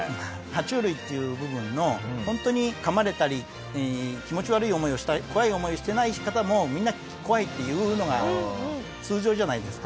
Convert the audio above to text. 爬虫類っていう部分の本当に噛まれたり気持ち悪い思いをした怖い思いをしてない方もみんな「怖い」って言うのが通常じゃないですか。